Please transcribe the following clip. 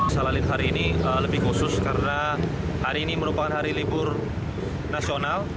salalin hari ini lebih khusus karena hari ini merupakan hari libur nasional